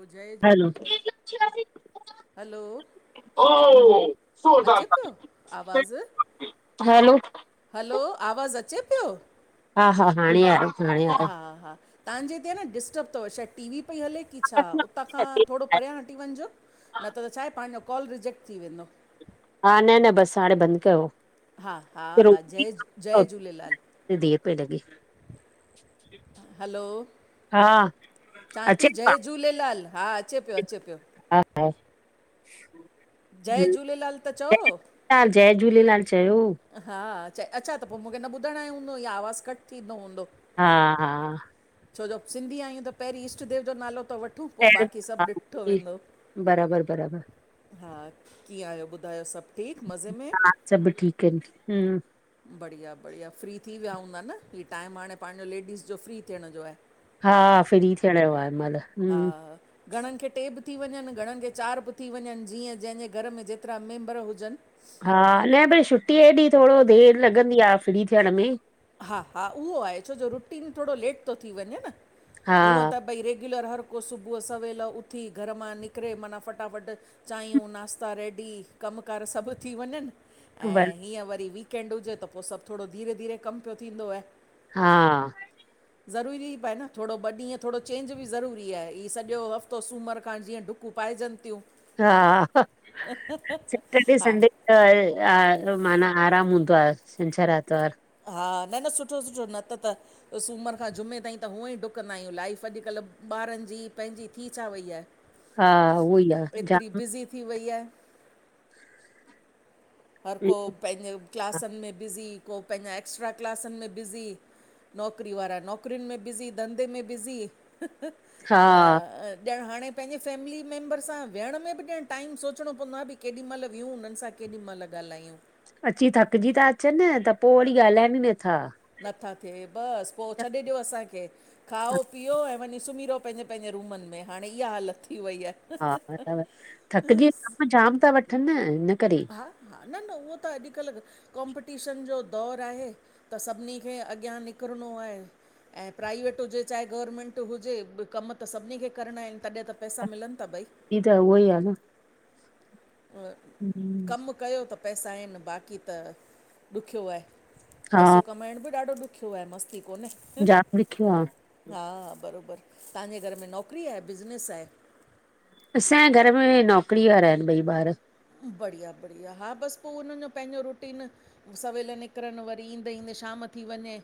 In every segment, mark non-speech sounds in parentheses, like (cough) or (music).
जय hello - (unintelligible) हलो। अचे प्यो आवाज़? हलो हलो, आवाज़ु अचे प्यो? हा- हा, हाणे आयी। हा हा, तव्हांजे हिते आहे न डिस्टब तव, शायदि टीवी वी पई हले की छा? उतां खां थोरो परियां हटी वञिजो, न त-त छाहे पंहिंजो कॉल रिजेक्ट थी वेंदो। हा न- न बसि हाणे बंदि कयो। हा -हा -हा, रोटी जय -जय झूलेलाल। देरि पई लॻे हलो हा चांती अचे हा जय झूलेलाल, हा। अचे पियो, अचे पियो। हा-हा जय झूलेलाल त चओ। लाल, जय झूलेलाल चयो। हा अच्छा त पो मूंखे न ॿुधण आयो हूंदो, या आवाज़ु कटि थींदो हूंदो। हा- हा। छोजो सिंधी आहियूं त, पहिरीं इष्टदेव जो नालो तो वठूं। पोइ बाक़ी सभु ॾिठो वेंदो। बराबरि बराबरि हा कीअं आहियो ॿुधायो सभु ठीकु मज़े में? सभु ठीक आहिनि हम। बढ़िया बढ़िया, फ्री थी विया हूंदा न? ही टाइम हाणे पंहिंजो लेडीस जो फ्री थियण जो आहे। हा, फ्री थियण जो आहे हिन महिल। हा हा। घणनि खे टे बि थी वञनि, घणनि खे चारि बि थी वञनि, जीअं जंहिंजे घर में जेतिरा मेंबर हुजनि। हा, न भई छुटीअ ॾींहुं थोरो देरि लॻंदी आहे फ्री थियण में‌। हा- हा, उहो आहे‌ छो जो रुटीन थोरो लेट तो थी वञे न? हा हुअं त भई रेगुलर हर को सुबुह सवेल उथी, घर मां निकिरे माना फटाफट चांहियूं, नाश्ता रेडी कमकार सभु थी वञनि। बर ऐं हीअं वरी वीकेंड हुजे, त पोइ सभु थोरो धीरे- धीरे कमु पियो थींदो आहे। हा। ज़रूरी पए न, थोरो ॿ ॾींहं थोरो चेंज बि ज़रूरी आहे। ह सॼो हफ़्तो सूमरु खांणु जीअं डुकु कूपाय जंतियू। हा, सैटरडे हा संडे त माना आराम हूंदो आहे, छंछरु आरितवारु। हा, न -न सुठो-सुठो न त त त सूमर खां जुमे ताईं त हुअं ई ॾुकंदा आहियूं। लाइफ अॼुकल्ह ॿारनि जी, पंहिंजी थी छा वई आहे? हा, उहो ई आ एतिरी जाम बिज़ी थी वई आहे। हर को पंहिंजे क्लासनि में बिज़ी, को पंहिंजा एक्स्ट्रा क्लासनि में बिज़ी नौकिरी वारा नौकरियुनि में बिज़ी, धंधे में बिज़ी हह हा त ॼण हाणे पंहिंजे फैमिली मेंबर सां वियंण में बि जंञणु टाइम सोचणो पवंदो आहे, बि केॾी मइल वियहूं हुननि सां केॾी मइल ॻाल्हायूं। अची थकिजी था अचन, त पो वरी ॻाल्हाइनि ई नथा। नथा थिए, बस पो छॾे ॾियो असांखे‌। खाओ पीओ, ऐं वंञी सुम्ही रहो पंहिंजे- पंहिंजे रूमन में, हाणे इहा हालत थी वई आ। हा अथव, थकिजी दाम जाम था वठन न, हिन करे! हा -हा, न -न उहो त अॼुकल्ह कॉम्पिटीशन जो दौर आहे त सभिनी खे अॻियां निकिरणो आहे। ऐं प्राइवेट हुजे, चाहे गवरमेंट हुजे कमु त सभिनी खे करणा आहिन, तॾिं त पैसा मिलन था भई। इ त उहो ही आ न। हम्म, कमु कयो त पैसा आहिन, बाक़ी त ॾुख्यो आहे। हा पैसो कमाइण बि ॾाढो ॾुखियो आहे, मस्ती कोन्हे। जाम ॾुख्यो आ। हा- हा, बरोबर, तहांजे घर में नौकिरी आ, बिज़नेस आहे? असांजे घर में नौकिरी वारा आहिन ॿई ॿार। बढ़िया- बढ़िया, हा बस पो हुन्हनि जो पंहिंजो रूटीन। सवेल निकिरनि, वरी ईंदे- ईंदे शाम थी वंञे।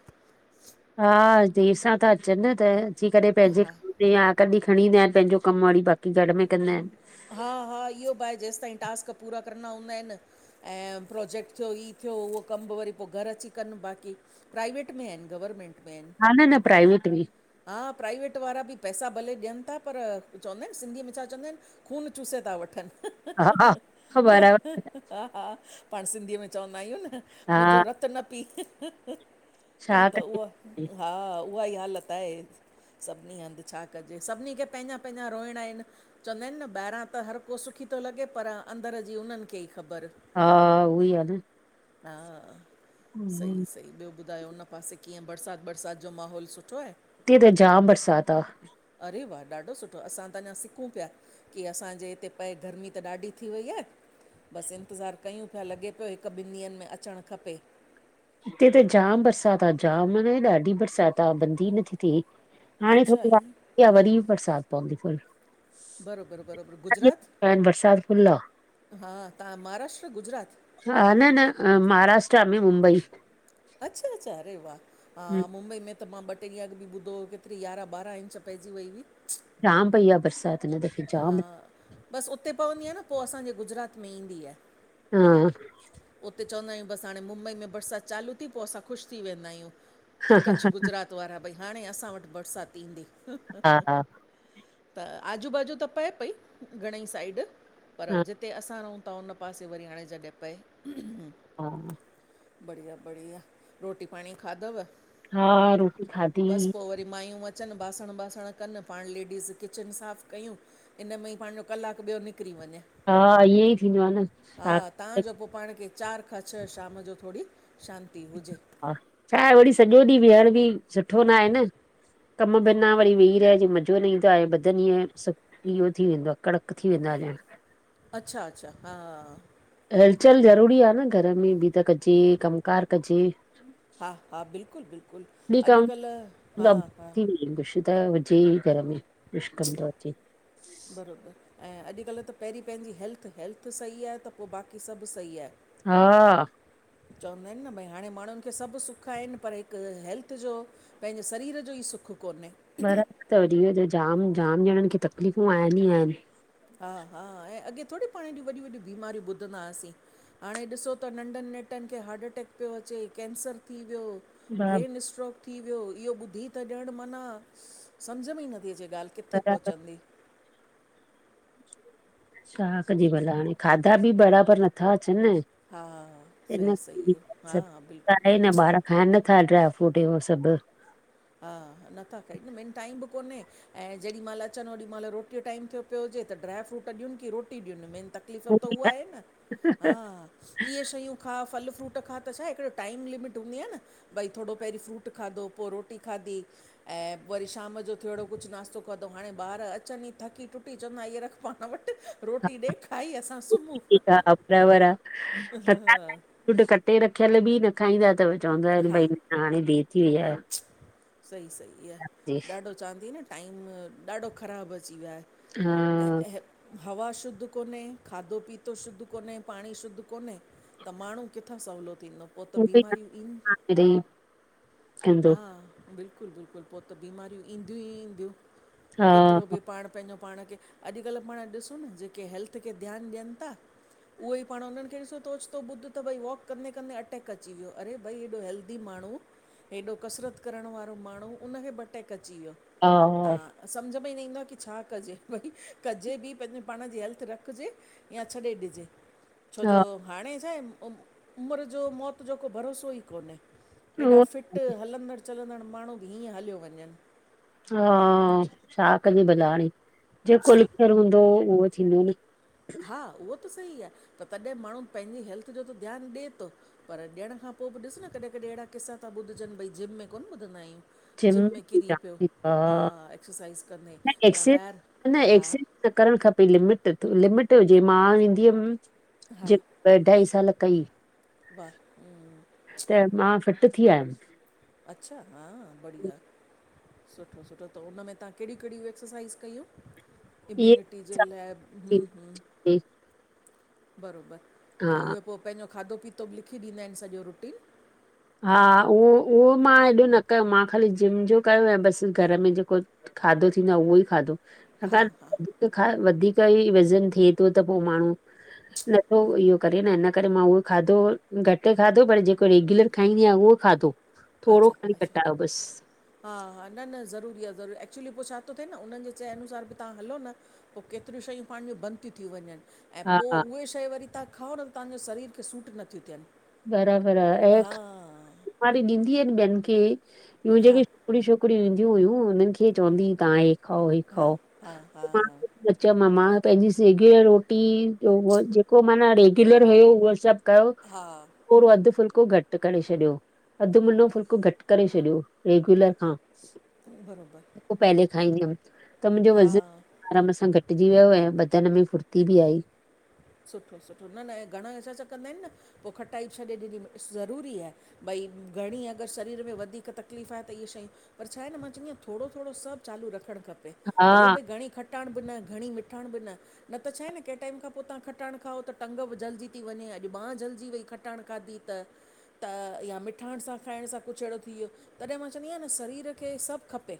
हा देर सां ता अचन, त अची करे पंहिंजे या कॾिं खणी ईंदा आहिन पंहिंजो कम, वरी बाक़ी घर में कंदा आहिन। हा- हा, इहो बि आहे, जेसिताईं टास्क पूरा करणा हूंदा आहिन ऐं प्रोजेक्ट थियो, ई थियो उहो कमु बि वरी पो घरु अची कन बाक़ी। प्राइवेट में आहिन, गवर्नमेंट? हा न- न प्राइवेट में। हा प्राइवेट वारा बि पैसा भले ॾियनि था, पर चवंदा आहिन सिंधीअ में छा चवंदा आहिन खून चुसे था वठनि। हा बराबरि हा -हा, पाण सिंधीअ में चवंदा आहियूं न, मुंजो हा रत्तु न पीउ। छा त उहा, कजे हा उहा ई हालत आहे। सभिनी हंध, छा कजे? सभिनी खे पंहिंजा पंहिंजा रोइणा आहिन, चवंदा आहिन न! ॿाहिरां त हर को सुखी थो लॻे, पर अंदरि जी उन्हनि खे ई ख़बर। हा, उ ई आ न। हा, सई हम्म, -सई ॿियो? ॿुधायो हुन पासे कीअं, बरसात -बरसात जो माहौल सुठो आहे? हित्ते त जाम बरसात आ। अरे वाह, ॾाढो सुठो। असां त अंञा सिक्कुं प्या। कि असांजे हिते पए गर्मी त ॾाढी थी वई आहे। बस इंतज़ारु कयूं पिया, लॻे पियो हिकु ॿिनि ॾींहंनि में अचणु खपे। हिते त जाम बरसात आ जाम, मन ॾाढी बरसात आ, बंद ई नथी थिए। हाणे अच्छा थोङी ईअं वाधारी, वरी बरसात पवंदी फुल। बरोबरु बरोबरु गुजरात बरसात फुल्ल आ। हा तहां महाराष्ट्र, गुजरात? हा न -न, महाराष्ट्र में मुंबई। अच्छा- अच्छा, अरे वाह। हा हम्म, मुंबई में त मां ॿ टे ॾींहं अॻु बि ॿुधो हो, केतिरी यारहं ॿारहं इंच पइजी वई हुई। जाम पइ आ बरसात। हिन दफ़े जाम हा, बसि उते पवंदी आहे न पो असांजे गुजरात में ईंदी आहे। हा। उते चवंदा आहियूं, बसि हाणे मुंबई में बरसाति चालू थी, पो असां ख़ुशि थी वेंदा आहियूं। कच्छ, गुजरात वारा ‌भई हाणे असां वटि बरसाति ईंदी। हा हा त आजू बाजू त पए पई घणंई साइड, पर हो हा जि ते असां रहूं ता, उन पासे वरी हाणें जॾहिं पए। हा। बढ़िया- बढ़िया, रोटी पांणि खाधव? हा, रोटी खादी। बसि पोइ वरी मायूं अचनि, बासंण- ॿासंण कनि, पांण लेडीस किचिन साफ़ कयूं इन में ई पाजो कलाकु ॿियो निकिरी वंञें हा, ईहेंई थींदो आ न छा क तहां जो पो पांण खे चारि खां छह शाम जो थोड़ी शांती हुजे। छाहे वरी सॼो ॾींहुं वीहण बि सुठो नाहे न। कम बिना वरी वेही रहजे मज़ो न ईंदो आहे बदन ईींंय सु इह्यो थी वेंदो आ, कड़क थी वेंदो आ ॼणु। अच्छा- अच्छा, हा। हलचल ज़रूरी आ न, घर में बि त कजे कमु कारु कजे। हा- हा, बिल्कुलु -बिल्कुलु, अॼुकल्ह हा-हा। कुछु त हुजे ई घर में, कुछु कम त हुजे। बराबरि, ऐं अॼुकल्ह त पहिरीं पंहिंजी हेल्थ, हेल्थ सही आहे त, पो बाक़ी सभु सही आहे। हा। चवंदा हिनि न, भई हाणे माण्हुनि खे सभु सुख आहिनि‌, पर हिकु हेल्थ जो पंहिंजे सरीर जो ई सुखु कोन्हे। बराबिर तव, ॾीहों -ॾीहं जाम जाम ॼणनि खे तकलीफ़ूं आहिन ई आहिनि। हा -हा, ऐं अॻे थोड़ी पांण एॾियूं वॾियूं -वॾियूं बीमारियूं ॿुधंदा हासीं। हाणें ॾिसो त नंढनि नेटनि खे हार्टअटैक पियो अचे, कैंसर थी वियो ब्रेन स्ट्रोक थी वियो, इह्यो ॿुधी त ॼणु माना सम्झ में ई नथी अचे ॻाल्हि। कित्थे बराबरि पहुचंदी? छा कजे भला हाणें, खाधा बि बराबरि नत्था अचनि न हा इन करे सही-सही आ, हा सभु बिल्कुलु। आहे न ॿार खाइनि नत्था ड्राय- फ्रूट हे हो सभु। हा नथा खाइन न, मेन टाइम बि कोन्हे। ऐं जेॾीमहिल अचनि ओॾी महिल रोटी जो टाइम थियो पियो हुजे, त ड्र फ्रूट ॾियुनि, की रोटी ॾियुनि मेन त तकलीफ़ त उहा हे न, हा। इह्ये शयूं खा, फल फ्रूट खा, त छाहे हिकिड़ो टाइम लिमिट हुंदी आ न? भई थोड़ो पहिरीं फ्रूट खाधो, पो रोटी खाधी। ऐं वरी शाम जो थियो अहिड़ो कुछु नास्तो खादंउं, हाणे ॿार अचनि ई थकी टुटी, चवंदा इह्ये रखु। पांण वटि रोटी ॾे खाई असां सुम्हूं। हा बराबरि आ, सलाद अंएं फ्रुट कटे रखियल बि न खाईंदा तव चवंदा हिनि हा भई न हाणे देर थी वई आ। सही- सही आहे, ॾाढो चवांती न टाइम ॾाढो ख़राबु अची वियो आहे। हा ऐं हवा शुद्ध कोन्हे, खाधो पीतो शुद्ध कोन्हे, पांणी शुद्ध कोन्हे त माण्हूं किथां सहुलो थींदो? पोइ त बीमारियूं ईनि (unintelligible) कंदो हा, बिल्कुलु -बिल्कुलु पो त बीमारियूं ईंदियूं ई ईंदियूं। हा केतिरो बि पाण पंहिंजो पाण खे, अॼुकल्ह पाण ॾिसूं न जेके हेल्थ खे ध्यानु ॾियनि ता उहो ई पाण उन्हनि खे ॾिसो, त ओचतो ॿुध त भई वॉक कंदे -कंदे अटैक अची वियो। अरे भई हेॾो हेल्दी माण्हू? हेॾो कसरत करणु वारो माण्हू, उनखे बि अटैक अची वियो। हा-हा। तव्हां सम्झ में ई न ईंदो आ की छा कजे? भई कजे बि पंहिंजे पाण जी हेल्थ रखिजे। यां छॾे ॾिजे? छोजो हा हाणे छा आहे, उ उमिरि जो, मौत जो को भरोसो ई कोन्हे? एॾा उहो फिट हलंदड़ चलंदड़ माण्हू बि हीअं हलियो वञनि। हा, छा कजे बला हाणे? जेको लिखयल हूंदो, उहो थींदो न? हा, उहो त सही आ त तॾहिं माण्हू पंहिंजी हेल्थ जो त ध्यानु ॾे तो, पर ॾियण खां पो बि ॾिस न कॾहिं -कॾहिं अहिड़ा किस्सा ता ॿुधजनि, भई जिम में कोन्ह ॿुधंदा आहियूं? जिम में किरी पियो? हा- एक्सरसाइज़ कंदे न या एक्सेस ॿाहिरि, न हा- एक्सेस न करणु खपे। लिमिट- लिमिट हुजे, मां वेंदी हुयमि जे ॿ अढाई साल कई, बा (unintelligible) त मां फिट थी आयमि। अच्छा? हां बढ़िया। सुठो- सुठो, त हुनमें तां कहिड़ि कहिड़ि एक्सरसाइज़ कयूं? इहे इम्यूनिटी टी जे हिसाब लाय, ह -ह, थी बरोबर, ऐं हा उए पो पंहिंजो खाधो पीतो बि लिखी ॾींदा आहिनि सॼो रुटीन? हा उहो-उहो मां एॾो न कयो, मां ख़ाली जिम जो कयो, ऐं बसि घर में जेको खाधो थींदो आ, उहो ई खाधो। हा छाकाणि हा वधीक खा वधीक ई वज़न थे तो, त पो माण्हू नथो इहो करे न, ईन करे मां उहो खाधो, घटि खाधो पर जेको रेगुलर ठाईंदीआं, उहो खाधो। अच्छा- अच्छा। त बसि, हा -हा, न- न ज़रूरी आ ज़रूरी एक्चुली पो छा तो थे न, उन्हनि जे चए अनुसार बि तां हलो न पो केतिरियूं शयूं पाण जी, बंदि ती थियूं वञनि। ऐं हा पो हा उहे शइ वरी तां खाओ न, तव्हांजो शरीर खे सूट नथियूं थियनि। बराबरि आ, ऐग हा मां वरी ॾींदीयम ॿियनि खे, ॿयूं हा जेके हिकड़ी छोकिरियूं ईंदियूं हुयूं, उन्हनि खे चवंदी ही, तां ऐग खाओ ऐग हा खाओ, हा हा हा न चयोमा मां पंहिंजी सेकयल रोटी जो उह जेको माना किलर हुयो, उहो सभु कयो। हा। थोड़ो अधु फुल्को, घटि करे छॾियो। अधु मुनो फुल्को घटि करे छॾियो, रेगुलर खां। बरोबर। पो पहले खाईंदी हुमि, त मुंहिंजो हा वज़न आराम सां घटि घटिजी वियो, ऐं बदन में फुर्ती बि आई‌। सुठो- सुठो, न -न घणा असां छा कंदा आहिनि न, पो खटाइ छॾे ॾीनी, ज़रूरी आहे। भई घणी अगरि शरीर में वधीक तकलीफ़ आहे, त इहे शयूं पर छा आहे न, मां चङीआयां, थोड़ो -थोड़ो सभु चालू रखणु खपे। खपे हा भले भई घणी खटाण बि न, घणी मिठाण बि न, नत छाए न कैं टाइम खां पो त खटाण खाओ त टंग बि जलिजी थी वञे, अॼु बांह जलिजी वई खटाण खाधी त। त या मिठाण सां खाइण सां कुझु अहिड़ो थी वियो। तॾे मां चवंदी आहियां न सरीर खे सभु खपे।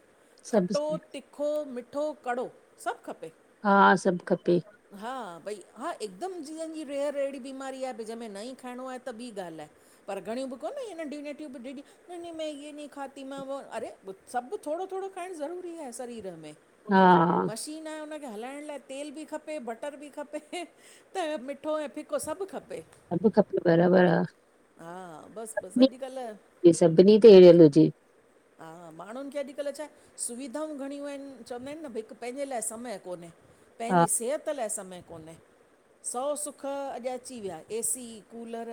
सभु खटो, सभु तिखो, मिठो, कड़ो सभु खपे। हा, सभु खपे। हा, भई। हा एकदमि जीअनि जी रेअर अहिड़ी बीमारी आ, जहिंमें न ई खाइणो आहे त ॿी ॻाल्हि आहे। पर घणियूं बि कोनहे, इहे नंढूं नढियूं बिॾूं बि नंई नंई में ये नंई खाती में वो अरे ॿु सभु थोडो-थोडो खाइणु ज़रूरी आ सरीर में। हा मशीन आ हुनखे हलाइण लाइ तेल बि खपे, बटर बि खपे। त मिठो ऐं फिको सभु खपे। सभु खपे बराबरि आ, हा बसि बसि अॼुकल्ह सभिनी सभिनि ते हिरयल हुजे। हा माण्हुनि खे अॼुकल्ह छाए सुविधाऊं घणियूं आहिनि, चवंदा आहिनि न भई हिकु पंहिंजे लाइ समय कोन्हे। हा पंहिंजी सेहत लाइ समय कोन्हे। सौ सुख अॼु अची विया एसी, कूलर,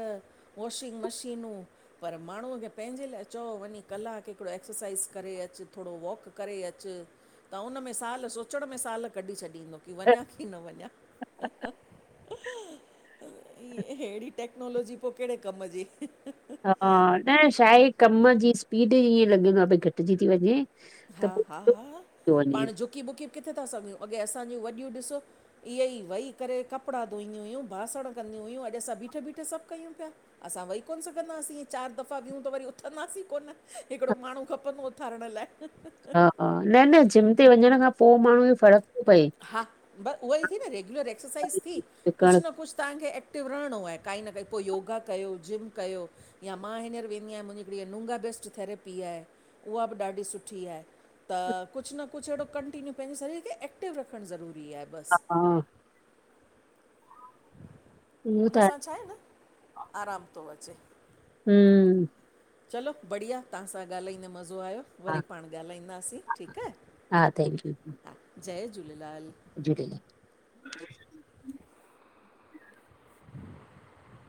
वॉशिंग मशीनूं पर माण्हूअ खे पंहिंजे लाइ चओ वञी कलाकु हिकिड़ो एक्सरसाइज़ करे अचु, थोरो वॉक करे अचु त उन में सालु सोचण में सालु कढी छॾींदो की, वञा की न वञा? ई हेड़ी टेक्नोलॉजी पो कहिड़े कमु जी हा, न छाहे कमु जी स्पीड ईअं लॻंदो आहे भई घटिजी थी वञे। त हा पोइ हा हा थो वञे पाण झुकी बुकी किथे ता सघूं, अॻे असांजी वॾियूं ॾिसो। इहे ई वई करे कपड़ा धोईंदी हुयूं, बासण कंदी हुयूं, अॼु असां बीठे बीठे सभु कयूं पिया। असां वेही कोन सघंदासीं चार दफ़ा वहूं त वरी उथंदासीं कोन हिकिड़ो माण्हू खपंदो उथारण लाइ। ह ह हा हा न न जिम ते वञण खां पो माण्हू हा, ब उहो ई थी न रेग्युलर एक्सरसाइज़ थी कुझु डुकण न कुझु तव्हांखे ए क्टिव रहिणो आहे काई न काई पो योगा कयो जिम कयो। या मां हींनर वेंदी आहियां मुंहिंजी नुंगा बेस्ट थैरेपी आहे उहा बि ॾाढी सुठी आहे। त कुछ न कुछ अहिड़ो कंटीन्यू पंहिंजे शरीर खे एक्टिव रखणु ज़रूरी आहे। ह बसि हा उहो त हुन सां छा आहे न, आरामु तो अचे। हम्म चलो बढ़िया तव्हांसां ॻाल्हाईंदे मज़ो आहियो वरी हा, पाण ॻाल्हाईंदासीं ठीकु आहे। हा थैंक्यू। हा जय झूलेलाल जूरूेलाल (inaudible)